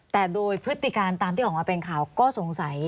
แต่โดยพฤติการตามที่ออกมาเป็นข่าวก็สงสัย